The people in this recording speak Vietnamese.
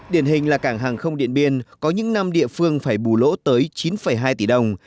điển hình là cảng hàng không điện biên có những năm địa phương phải bù lỗ tới chín hai tỷ đồng